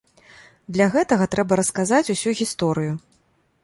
Для гэтага трэба расказаць усю гісторыю.